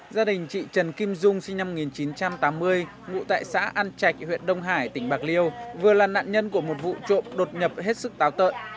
gia đình chị trần kim dung sinh năm một nghìn chín trăm tám mươi ngụ tại xã an trạch huyện đông hải tỉnh bạc liêu vừa là nạn nhân của một vụ trộm đột nhập hết sức táo tợn